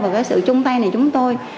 và cái sự chung tay này của chúng tôi